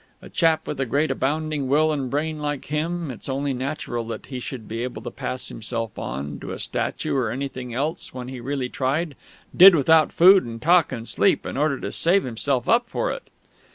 A chap with a great abounding will and brain like him, it's only natural he should be able to pass himself on, to a statue or anything else, when he really tried did without food and talk and sleep in order to save himself up for it!